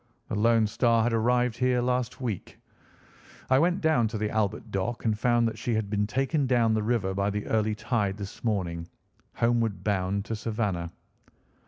"The Lone Star had arrived here last week. I went down to the Albert Dock and found that she had been taken down the river by the early tide this morning, homeward bound to Savannah.